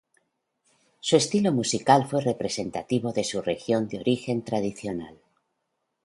Su estilo musical fue representativo de su región de origen tradicional.